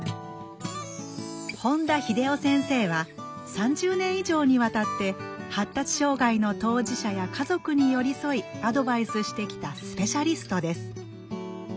本田秀夫先生は３０年以上にわたって発達障害の当事者や家族に寄り添いアドバイスしてきたスペシャリストです